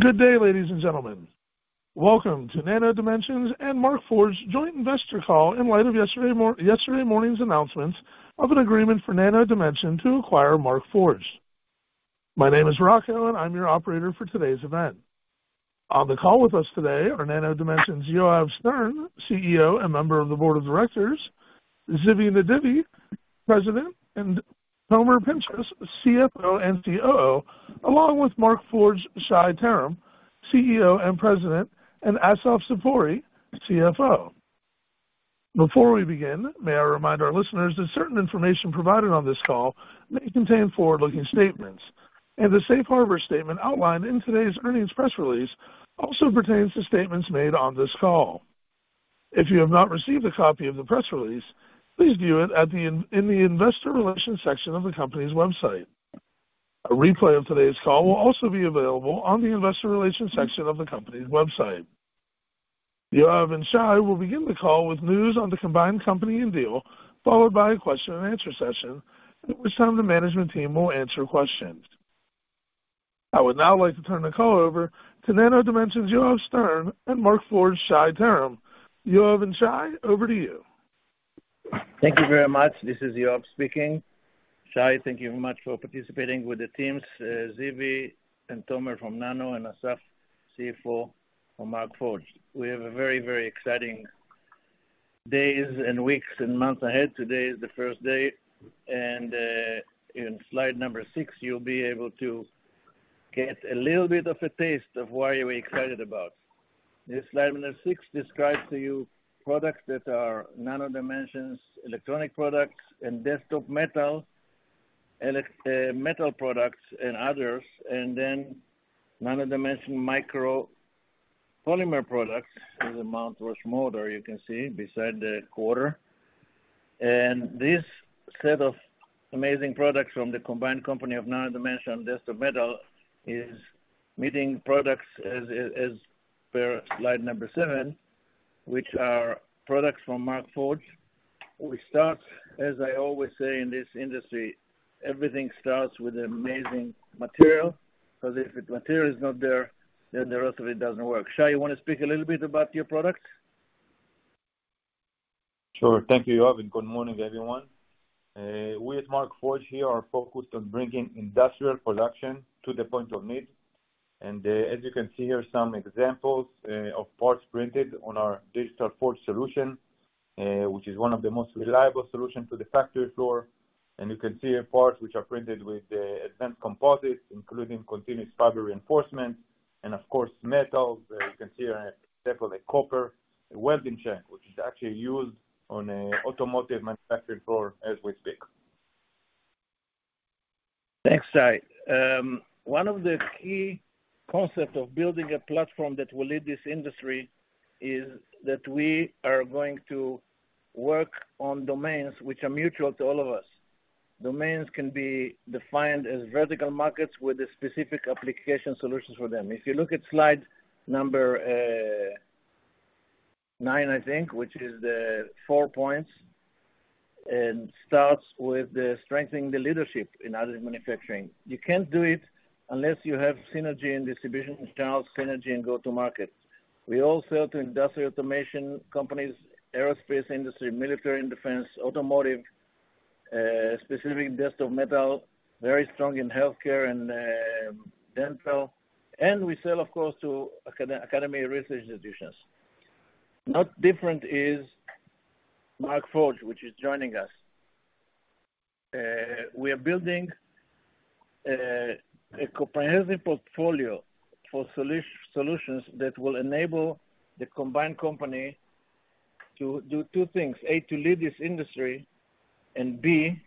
Good day, ladies and gentlemen. Welcome to Nano Dimension's and Markforged joint investor call in light of yesterday morning's announcements of an agreement for Nano Dimension to acquire Markforged. My name is Rocco, and I'm your operator for today's event. On the call with us today are Nano Dimension's Yoav Stern, CEO, and member of the board of directors, Zivi Nedivi, President, and Tomer Pinchas, CFO and COO, along with Markforged's Shai Terem, CEO and President, and Assaf Zipori, CFO. Before we begin, may I remind our listeners that certain information provided on this call may contain forward-looking statements, and the safe harbor statement outlined in today's earnings press release also pertains to statements made on this call. If you have not received a copy of the press release, please view it at the investor relations section of the company's website. A replay of today's call will also be available on the investor relations section of the company's website. Yoav and Shai will begin the call with news on the combined company and deal, followed by a question and answer session, at which time the management team will answer questions. I would now like to turn the call over to Nano Dimension's Yoav Stern and Markforged's Shai Terem. Yoav and Shai, over to you. Thank you very much. This is Yoav speaking. Shai, thank you very much for participating with the teams, Zivi and Tomer from Nano and Assaf, CFO from Markforged. We have a very, very exciting days and weeks and months ahead. Today is the first day, and in slide number six, you'll be able to get a little bit of a taste of why we're excited about. This slide number six describes to you products that are Nano Dimension's electronic products and Desktop Metal metal products and others, and then Nano Dimension micro polymer products, as the amount was smaller, you can see beside the quarter. And this set of amazing products from the combined company of Nano Dimension. Desktop Metal's metal products as per slide number seven, which are products from Markforged. We start, as I always say, in this industry, everything starts with amazing material, because if the material is not there, then the rest of it doesn't work. Shai, you want to speak a little bit about your product? Sure. Thank you, Yoav, and good morning, everyone. We at Markforged here are focused on bringing industrial production to the point of need, and as you can see here, some examples of parts printed on our Digital Forge solution, which is one of the most reliable solution to the factory floor, and you can see here parts which are printed with the advanced composites, including continuous fiber reinforcement and, of course, metal. You can see here, for example, a copper welding chuck, which is actually used on an automotive manufacturing floor as we speak. Thanks, Shai. One of the key concept of building a platform that will lead this industry is that we are going to work on domains which are mutual to all of us. Domains can be defined as vertical markets with a specific application solutions for them. If you look at slide number nine, I think, which is the four points, and starts with the strengthening the leadership in additive manufacturing. You can't do it unless you have synergy in distribution channels, synergy in go-to-market. We all sell to industrial automation companies, aerospace industry, military and defense, automotive, specific Desktop Metal, very strong in healthcare and dental, and we sell, of course, to academy research institutions. Not different is Markforged, which is joining us. We are building a comprehensive portfolio for solutions that will enable the combined company to do two things: A, to lead this industry, and B,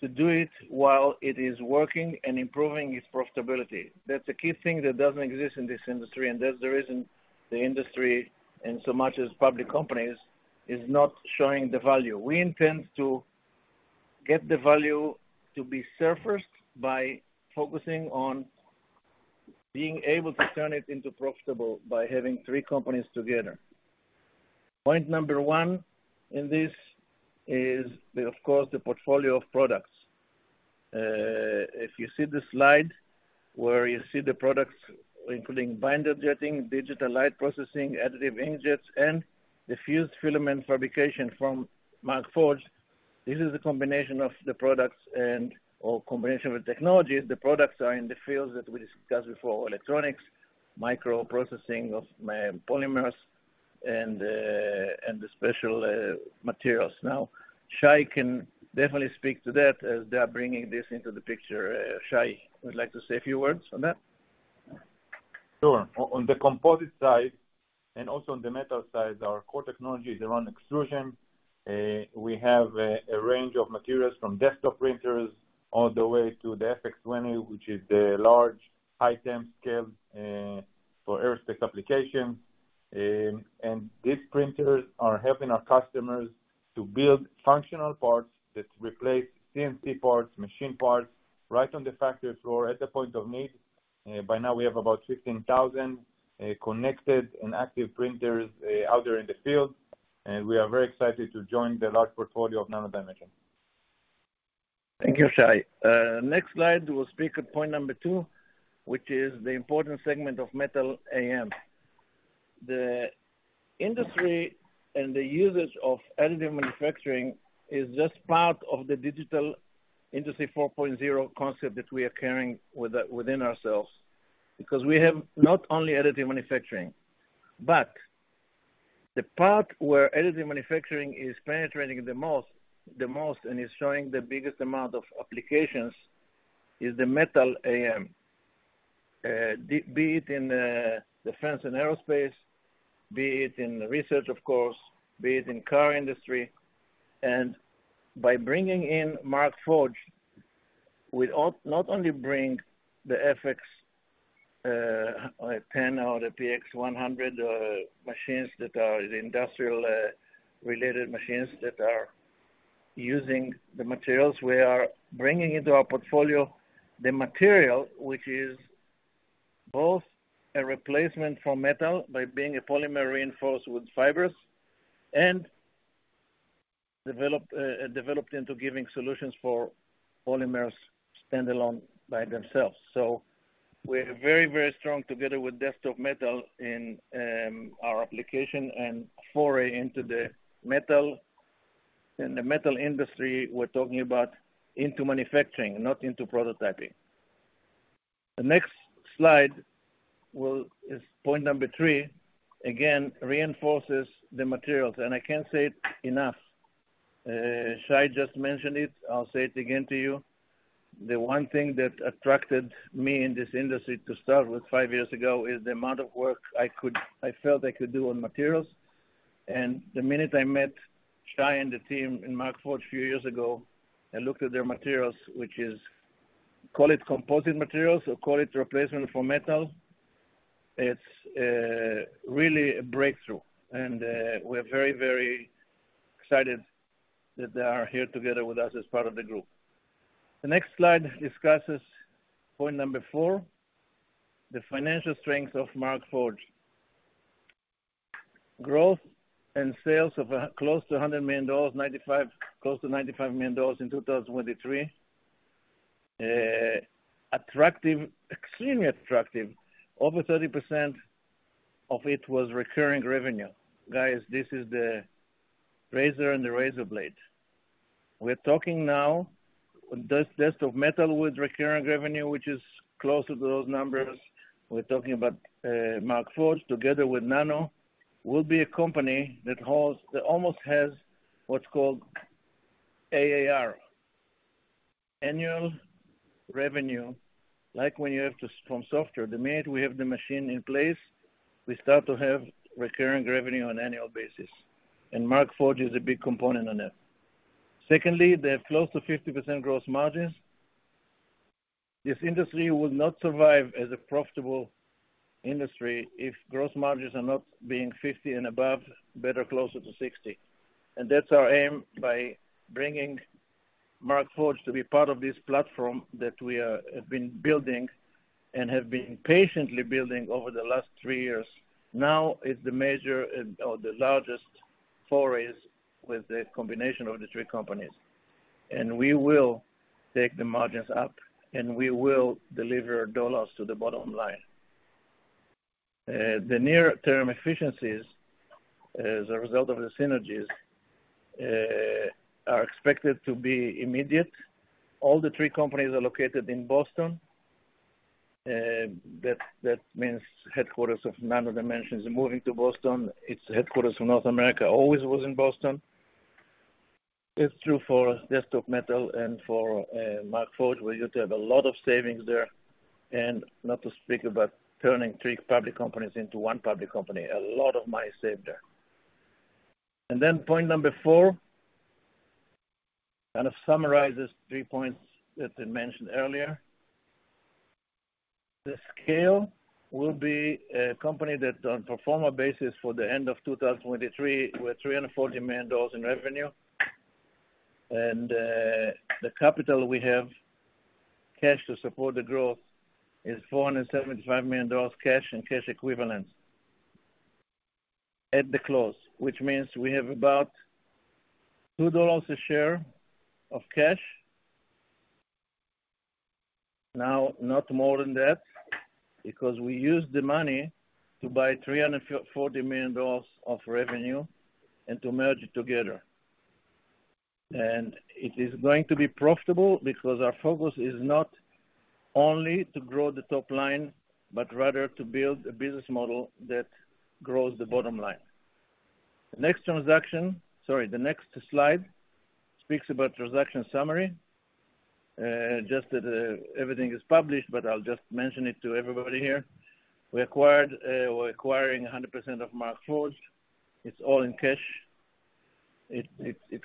to do it while it is working and improving its profitability. That's a key thing that doesn't exist in this industry, and that's the reason the industry, and so much as public companies, is not showing the value. We intend to get the value to be surfaced by focusing on being able to turn it into profitable by having three companies together. Point number one in this is, of course, the portfolio of products. If you see the slide where you see the products, including binder jetting, digital light processing, additive inkjets, and the fused filament fabrication from Markforged, this is a combination of the products and/or combination of technologies. The products are in the fields that we discussed before, electronics, microprocessing of polymers, and the special materials. Now, Shai can definitely speak to that as they are bringing this into the picture. Shai, would like to say a few words on that? Sure. On the composite side and also on the metal side, our core technology is around extrusion. We have a range of materials from desktop printers all the way to the FX20, which is the large, high-temp scale for aerospace application. And these printers are helping our customers to build functional parts that replace CNC parts, machine parts, right on the factory floor at the point of need. By now, we have about 15,000 connected and active printers out there in the field, and we are very excited to join the large portfolio of Nano Dimension.... Thank you, Shai. Next slide will speak at point number two, which is the important segment of metal AM. The industry and the usage of additive manufacturing is just part of the digital Industry 4.0 concept that we are carrying within ourselves, because we have not only additive manufacturing, but the part where additive manufacturing is penetrating the most and is showing the biggest amount of applications is the metal AM. Be it in defense and aerospace, be it in research, of course, be it in car industry, and by bringing in Markforged, we not only bring the FX or Onyx or the PX100 machines that are the industrial related machines that are using the materials. We are bringing into our portfolio the material, which is both a replacement for metal by being a polymer reinforced with fibers, and developed into giving solutions for polymers standalone by themselves. So we're very, very strong together with Desktop Metal in our application and foray into the metal. In the metal industry, we're talking about into manufacturing, not into prototyping. The next slide is point number three. Again, reinforces the materials, and I can't say it enough. Shai just mentioned it. I'll say it again to you. The one thing that attracted me in this industry to start with five years ago is the amount of work I felt I could do on materials. And the minute I met Shai and the team in Markforged a few years ago, I looked at their materials, which is, call it composite materials or call it replacement for metal. It's really a breakthrough, and we're very, very excited that they are here together with us as part of the group. The next slide discusses point number four, the financial strength of Markforged. Growth and sales of close to $100 million, $95 million, close to $95 million in 2023. Attractive, extremely attractive. Over 30% of it was recurring revenue. Guys, this is the razor and the razor blade. We're talking now, Desktop Metal with recurring revenue, which is closer to those numbers. We're talking about Markforged, together with Nano, will be a company that holds that almost has what's called ARR, annual revenue, like when you have to, from software. The minute we have the machine in place, we start to have recurring revenue on an annual basis, and Markforged is a big component on it. Secondly, they have close to 50% gross margins. This industry will not survive as a profitable industry if gross margins are not being 50 and above, better, closer to 60. And that's our aim by bringing Markforged to be part of this platform that we are, have been building and have been patiently building over the last three years. Now is the major, or the largest forays with the combination of the three companies. And we will take the margins up, and we will deliver dollars to the bottom line. The near-term efficiencies, as a result of the synergies, are expected to be immediate. All the three companies are located in Boston, that means headquarters of Nano Dimension are moving to Boston. Its headquarters for North America always was in Boston. It's true for Desktop Metal and for Markforged, where you have a lot of savings there. And not to speak about turning three public companies into one public company. A lot of money saved there. And then point number four, kind of summarizes three points that I mentioned earlier. The scale will be a company that on pro forma basis for the end of two thousand and twenty-three, with $340 million in revenue. And, the capital we have, cash to support the growth, is $475 million cash and cash equivalents at the close, which means we have about $2 a share of cash. Now, not more than that, because we used the money to buy $340 million of revenue and to merge it together. And it is going to be profitable because our focus is not only to grow the top line, but rather to build a business model that grows the bottom line. The next transaction. Sorry, the next slide speaks about transaction summary. Just that, everything is published, but I'll just mention it to everybody here. We acquired, we're acquiring 100% of Markforged. It's all in cash. It is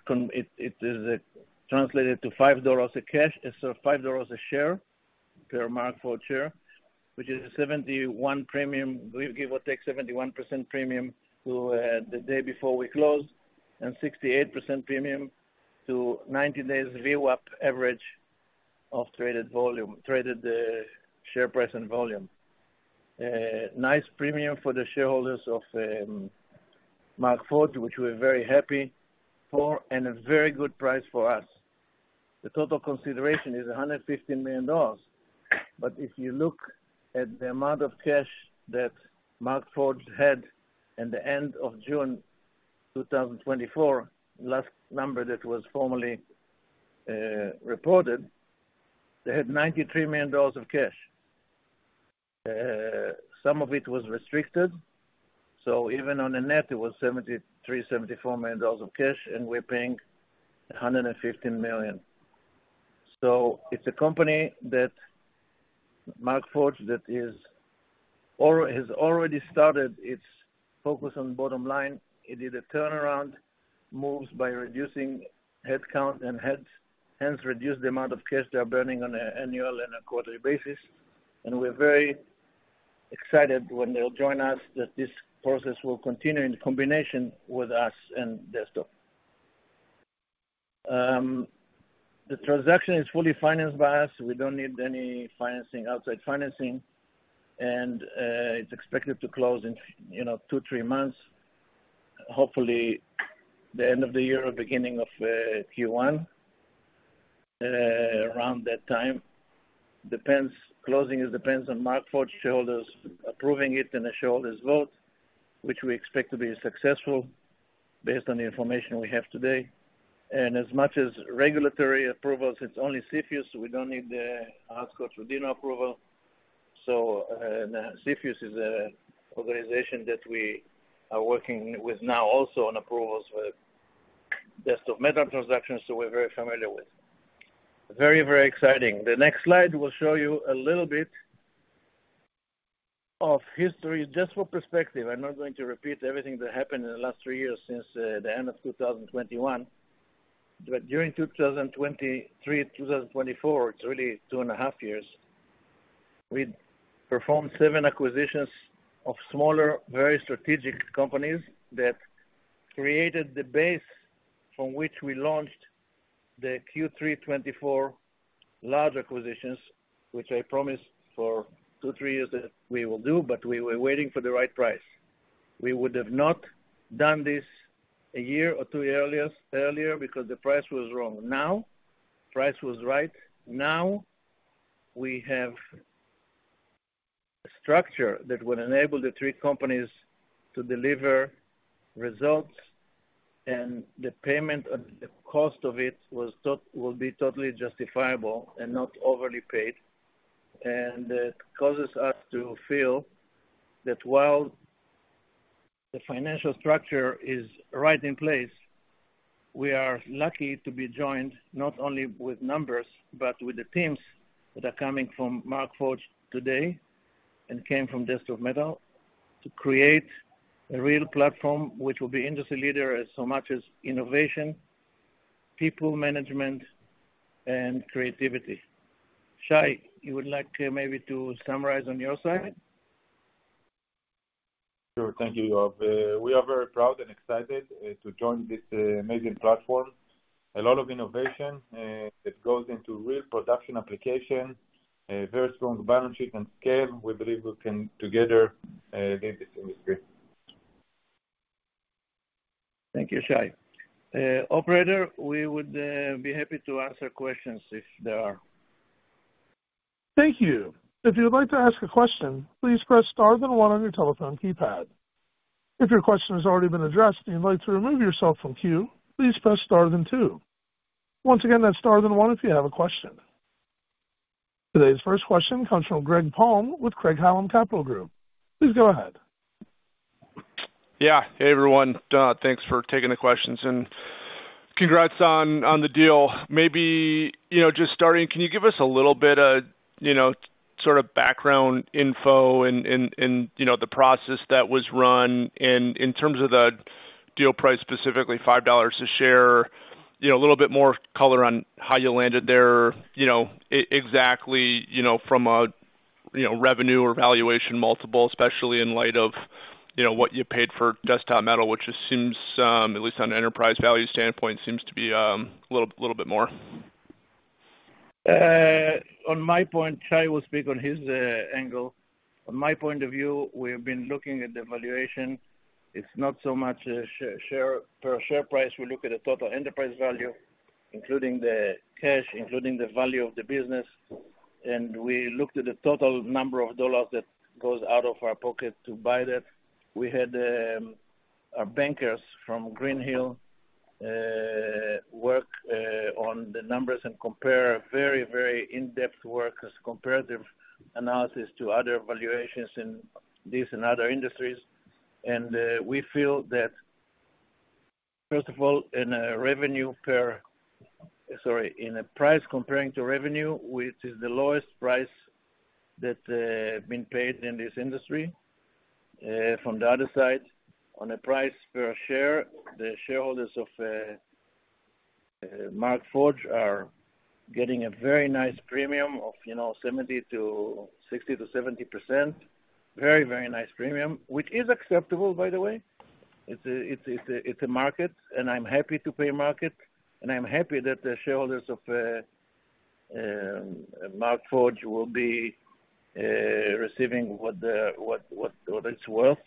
translated to $5 in cash, so $5 per share per Markforged share, which is a 71% premium. We give or take 71% premium to the day before we close, and 68% premium to ninety days VWAP average of traded volume, traded share price and volume. Nice premium for the shareholders of Markforged, which we're very happy for, and a very good price for us. The total consideration is $115 million. But if you look at the amount of cash that Markforged had at the end of June 2024, last number that was formally reported, they had $93 million of cash. Some of it was restricted, so even on a net, it was $73-$74 million of cash, and we're paying $115 million. So it's a company that Markforged, that is, or has already started its focus on bottom line. It did a turnaround, moves by reducing headcount and heads, hence reduced the amount of cash they are burning on an annual and a quarterly basis. And we're very excited when they'll join us, that this process will continue in combination with us and Desktop. The transaction is fully financed by us. We don't need any financing, outside financing, and it's expected to close in, you know, two, three months. Hopefully, the end of the year or beginning of Q1, around that time. depends. Closing, it depends on Markforged shareholders approving it in a shareholder's vote, which we expect to be successful based on the information we have today, and as much as regulatory approvals, it's only CFIUS. We don't need the HSR approval. So, CFIUS is a organization that we are working with now also on approvals with Desktop Metal transactions, so we're very familiar with. Very, very exciting. The next slide will show you a little bit of history, just for perspective. I'm not going to repeat everything that happened in the last three years since the end of 2021. But during 2023, 2024, it's really two and a half years, we performed seven acquisitions of smaller, very strategic companies that created the base from which we launched the Q3 2024 large acquisitions, which I promised for two, three years that we will do, but we were waiting for the right price. We would have not done this a year or two earlier because the price was wrong. Now, price was right. Now, we have structure that would enable the three companies to deliver results, and the payment and the cost of it will be totally justifiable and not overly paid. It causes us to feel that while the financial structure is right in place, we are lucky to be joined not only with numbers, but with the teams that are coming from Markforged today and came from Desktop Metal, to create a real platform, which will be industry leader in so much as innovation, people management, and creativity. Shai, you would like to maybe to summarize on your side? Sure. Thank you, Yoav. We are very proud and excited to join this amazing platform. A lot of innovation that goes into real production application, a very strong balance sheet and scale. We believe we can together lead this industry. Thank you, Shai. Operator, we would be happy to answer questions if there are. Thank you. If you would like to ask a question, please press star then one on your telephone keypad. If your question has already been addressed, and you'd like to remove yourself from queue, please press star then two. Once again, that's star then one if you have a question. Today's first question comes from Greg Palm with Craig-Hallum Capital Group. Please go ahead. Yeah. Hey, everyone. Thanks for taking the questions, and congrats on the deal. Maybe, you know, just starting, can you give us a little bit of, you know, sort of background info and, you know, the process that was run and in terms of the deal price, specifically $5 a share, you know, a little bit more color on how you landed there, you know, exactly, you know, from a, you know, revenue or valuation multiple, especially in light of, you know, what you paid for Desktop Metal, which seems, at least on an enterprise value standpoint, seems to be a little bit more. On my point, Shai will speak on his angle. On my point of view, we have been looking at the valuation. It's not so much a share per share price. We look at the total enterprise value, including the cash, including the value of the business, and we looked at the total number of dollars that goes out of our pocket to buy that. We had our bankers from Greenhill work on the numbers and compare very, very in-depth work as comparative analysis to other valuations in this and other industries. We feel that, first of all, in a revenue per... Sorry, in a price comparing to revenue, which is the lowest price that been paid in this industry. From the other side, on a price per share, the shareholders of Markforged are getting a very nice premium of, you know, 60%-70%. Very, very nice premium, which is acceptable, by the way. It's a market, and I'm happy to pay market, and I'm happy that the shareholders of Markforged will be receiving what it's worth.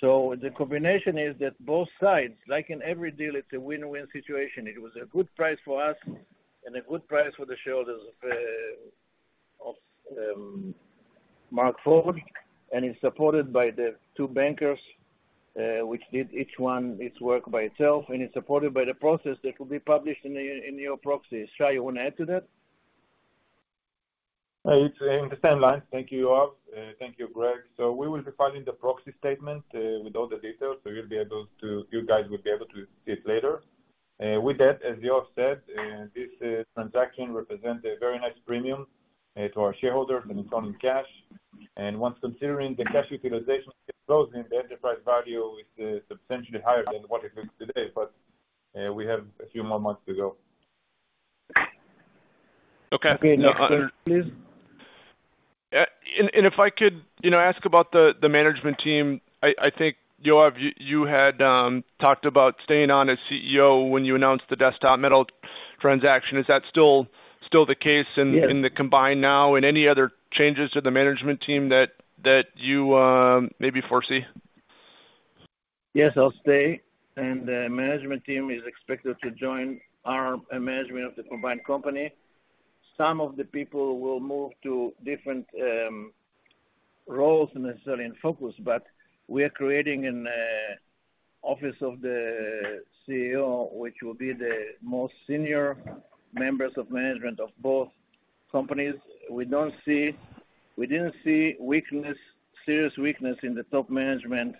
So the combination is that both sides, like in every deal, it's a win-win situation. It was a good price for us and a good price for the shareholders of Markforged, and it's supported by the two bankers, which did each one its work by itself, and it's supported by the process that will be published in your proxy. Shai, you want to add to that? It's in the same line. Thank you, Yoav. Thank you, Greg, so we will be filing the proxy statement with all the details, so you'll be able to, you guys will be able to see it later. With that, as Yoav said, this transaction represents a very nice premium to our shareholders, and it's all in cash, and once considering the cash utilization closing, the enterprise value is substantially higher than what it is today, but we have a few more months to go. Okay. Okay, next one, please. If I could, you know, ask about the management team. I think, Yoav, you had talked about staying on as CEO when you announced the Desktop Metal transaction. Is that still the case? Yes. in the combined now, and any other changes to the management team that you maybe foresee? Yes, I'll stay, and the management team is expected to join our management of the combined company. Some of the people will move to different roles, necessarily in focus, but we are creating an office of the CEO, which will be the most senior members of management of both companies. We don't see. We didn't see weakness, serious weakness in the top management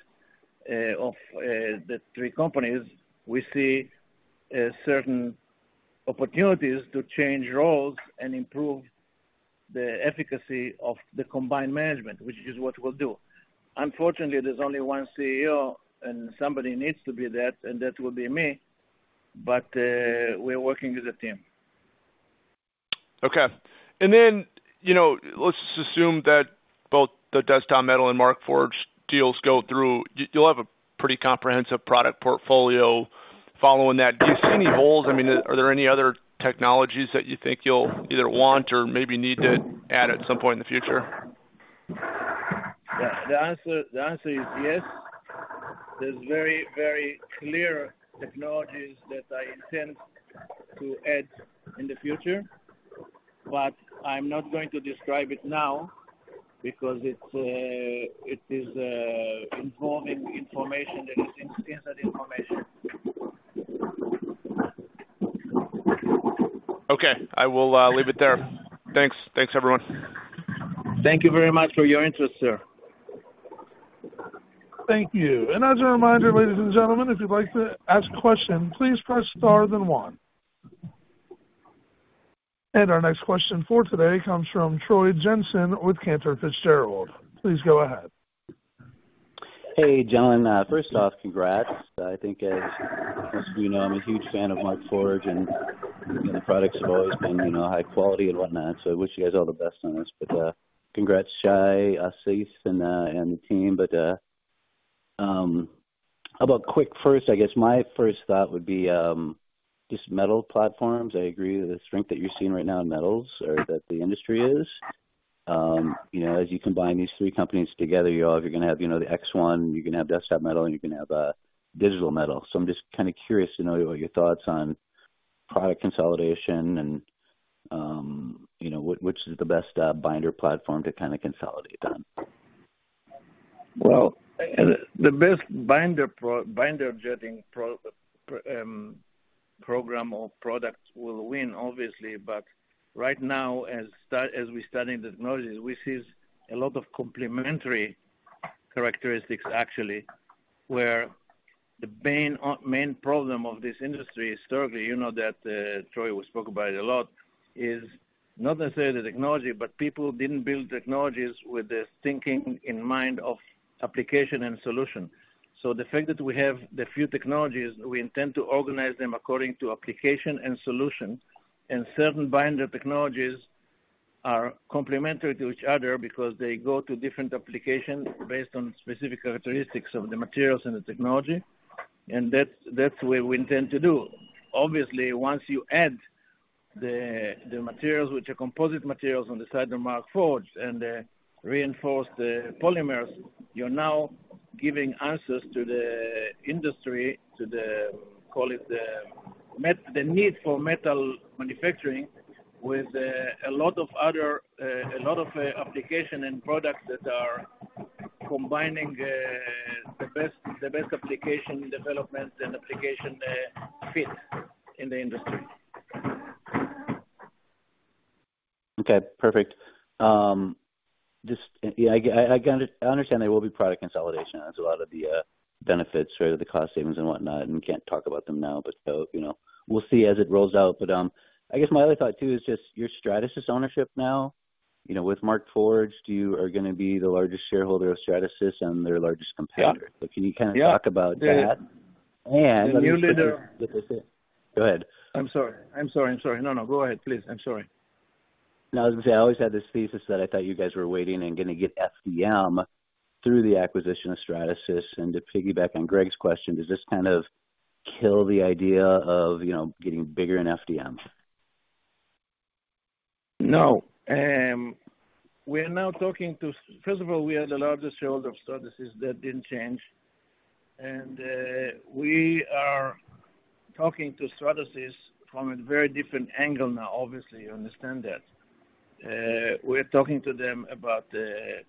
of the three companies. We see certain opportunities to change roles and improve the efficacy of the combined management, which is what we'll do. Unfortunately, there's only one CEO, and somebody needs to be that, and that will be me. But we're working as a team. Okay. And then, you know, let's just assume that both the Desktop Metal and Markforged deals go through. You, you'll have a pretty comprehensive product portfolio following that. Do you see any holes? I mean, are there any other technologies that you think you'll either want or maybe need to add at some point in the future? Yeah. The answer, the answer is yes. There's very, very clear technologies that I intend to add in the future, but I'm not going to describe it now because it's, it is, involving information that is inside information. Okay. I will leave it there. Thanks. Thanks, everyone. Thank you very much for your interest, sir. Thank you. And as a reminder, ladies and gentlemen, if you'd like to ask a question, please press star then one. And our next question for today comes from Troy Jensen with Cantor Fitzgerald. Please go ahead. Hey, gentlemen, first off, congrats. I think, as you know, I'm a huge fan of Markforged, and the products have always been, you know, high quality and whatnot, so I wish you guys all the best on this. But, congrats, Shai, Assaf, and the team. But, how about quick first, I guess my first thought would be, just metal platforms. I agree with the strength that you're seeing right now in metals or that the industry is. You know, as you combine these three companies together, Yoav, you're going to have, you know, the ExOne, you're going to have Desktop Metal, and you're going to have Digital Metal. So I'm just kind of curious to know your thoughts on product consolidation and, you know, which, which is the best binder platform to kind of consolidate on? The best binder jetting program or products will win, obviously, but right now, as we're studying the technologies, we see a lot of complementary characteristics, actually, where the main problem of this industry historically, you know, that, Troy, we spoke about it a lot, is not necessarily the technology, but people didn't build technologies with the thinking in mind of application and solution. So the fact that we have the few technologies, we intend to organize them according to application and solution, and certain binder technologies are complementary to each other because they go to different applications based on specific characteristics of the materials and the technology, and that's what we intend to do. Obviously, once you add the materials, which are composite materials on the side of Markforged and the reinforced polymers, you're now giving answers to the industry, to the call it the metal need for metal manufacturing, with a lot of other application and products that are combining the best application development and application fit in the industry. Okay, perfect. Just, yeah, I understand there will be product consolidation. That's a lot of the benefits or the cost savings and whatnot, and we can't talk about them now, but you know, we'll see as it rolls out, but I guess my other thought, too, is just your Stratasys ownership now. You know, with Markforged, you are going to be the largest shareholder of Stratasys and their largest competitor. Yeah. But can you kind of talk about that? Yeah. And- The new leader. Go ahead. I'm sorry. I'm sorry, I'm sorry. No, no, go ahead, please. I'm sorry.... Now, as I say, I always had this thesis that I thought you guys were waiting and going to get FDM through the acquisition of Stratasys. And to piggyback on Greg's question, does this kind of kill the idea of, you know, getting bigger in FDM? No. First of all, we are the largest shareholder of Stratasys. That didn't change. We are talking to Stratasys from a very different angle now. Obviously, you understand that. We're talking to them about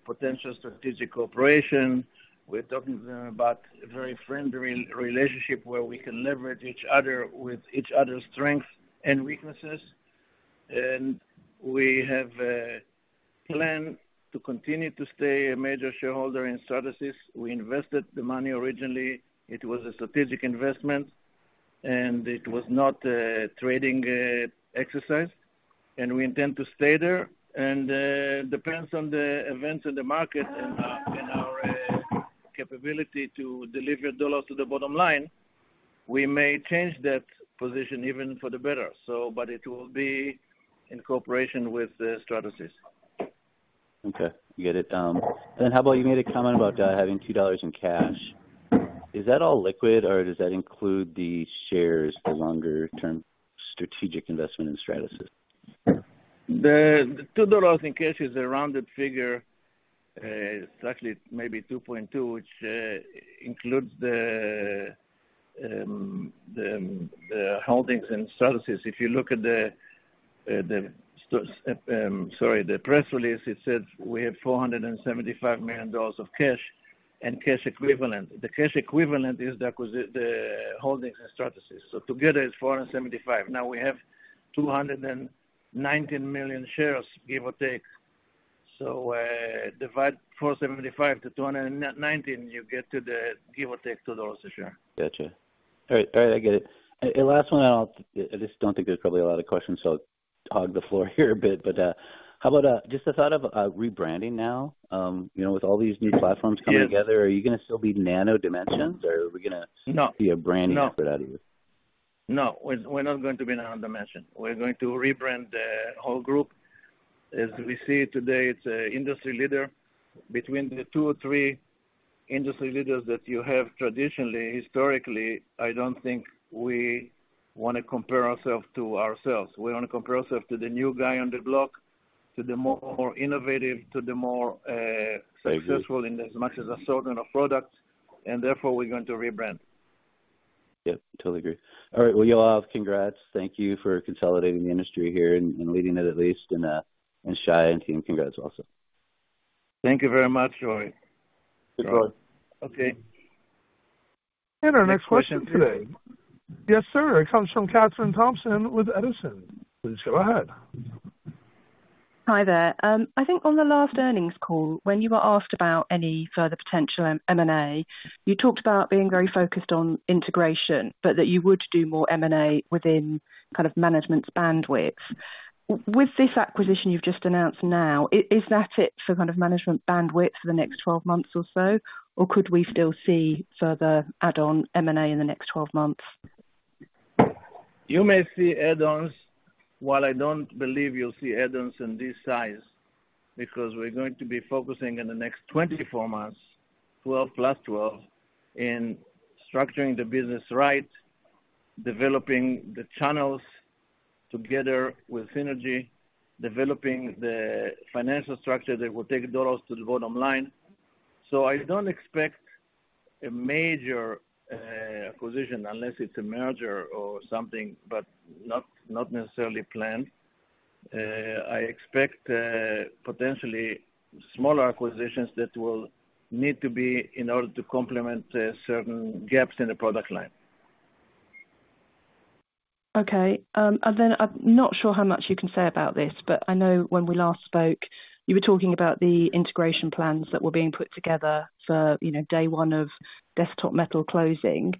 potential strategic cooperation. We're talking to them about a very friendly relationship where we can leverage each other with each other's strengths and weaknesses. We have a plan to continue to stay a major shareholder in Stratasys. We invested the money originally, it was a strategic investment, and it was not a trading exercise, and we intend to stay there. It depends on the events in the market and our capability to deliver dollars to the bottom line. We may change that position even for the better, but it will be in cooperation with Stratasys. Okay, get it. Then how about you made a comment about having $2 in cash. Is that all liquid, or does that include the shares, the longer-term strategic investment in Stratasys? The $2 in cash is a rounded figure. It's actually maybe $2.2, which includes the holdings in Stratasys. If you look at the press release, it says we have $475 million of cash and cash equivalent. The cash equivalent is the holdings in Stratasys, so together it's $475 million. Now we have 219 million shares, give or take. So, divide 475 to 219, you get to the, give or take, $2 a share. Gotcha. All right. All right, I get it. And last one, I'll... I just don't think there's probably a lot of questions, so hog the floor here a bit. But how about just the thought of rebranding now? You know, with all these new platforms coming together, are you gonna still be Nano Dimension, or are we gonna- No. -See a brand effort out of you? No, we're not going to be Nano Dimension. We're going to rebrand the whole group. As we see it today, it's an industry leader between the two or three industry leaders that you have traditionally, historically. I don't think we want to compare ourselves to ourselves. We want to compare ourselves to the new guy on the block, to the more innovative, to the more successful- I agree. In as much as a certain of products, and therefore, we're going to rebrand. Yeah, totally agree. All right, well, Yoav, congrats. Thank you for consolidating the industry here and leading it at least, and Shai and team, congrats also. Thank you very much, Troy. Good luck. Okay. Our next question today. Yes, sir. It comes from Catherine Thompson with Edison. Please go ahead. Hi there. I think on the last earnings call, when you were asked about any further potential M&A, you talked about being very focused on integration, but that you would do more M&A within kind of management's bandwidth. With this acquisition you've just announced now, is that it for kind of management bandwidth for the next twelve months or so? Or could we still see further add-on M&A in the next twelve months? You may see add-ons, while I don't believe you'll see add-ons in this size, because we're going to be focusing on the next twenty-four months, twelve plus twelve, in structuring the business right, developing the channels together with synergy, developing the financial structure that will take dollars to the bottom line. So I don't expect a major acquisition unless it's a merger or something, but not, not necessarily planned. I expect potentially smaller acquisitions that will need to be in order to complement certain gaps in the product line. Okay, and then I'm not sure how much you can say about this, but I know when we last spoke, you were talking about the integration plans that were being put together for, you know, day one of Desktop Metal closing.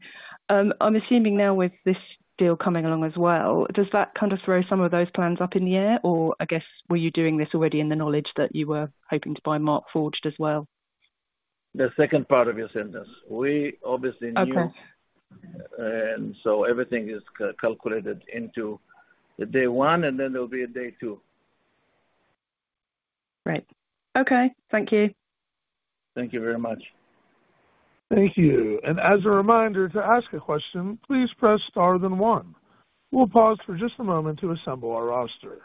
I'm assuming now with this deal coming along as well, does that kind of throw some of those plans up in the air, or I guess, were you doing this already in the knowledge that you were hoping to buy Markforged as well? The second part of your sentence, we obviously knew. Okay. And so everything is calculated into the day one, and then there'll be a day two. Right. Okay. Thank you. Thank you very much. Thank you. As a reminder to ask a question, please press star then one. We'll pause for just a moment to assemble our roster.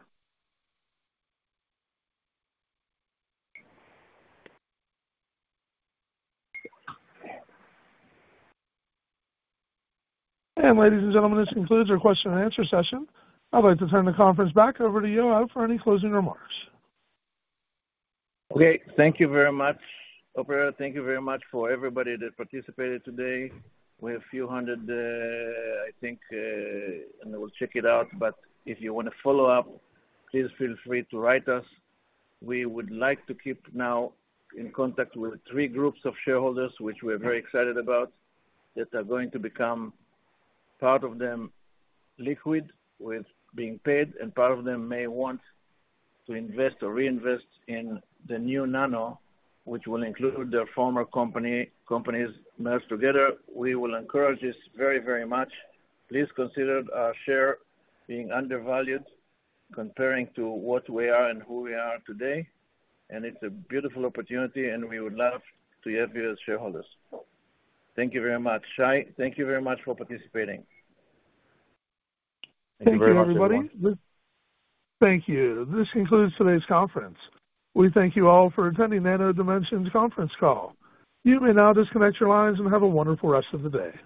Ladies and gentlemen, this concludes our question and answer session. I'd like to turn the conference back over to Yoav for any closing remarks. Okay. Thank you very much, operator. Thank you very much for everybody that participated today. We have a few hundred, I think, and we'll check it out, but if you want to follow up, please feel free to write us. We would like to keep now in contact with three groups of shareholders, which we're very excited about, that are going to become part of them, liquid, with being paid, and part of them may want to invest or reinvest in the new Nano, which will include their former company, companies merged together. We will encourage this very, very much. Please consider our share being undervalued, comparing to what we are and who we are today. And it's a beautiful opportunity, and we would love to have you as shareholders. Thank you very much. Shai, thank you very much for participating. Thank you, everybody. Thank you. This concludes today's conference. We thank you all for attending Nano Dimension's conference call. You may now disconnect your lines and have a wonderful rest of the day.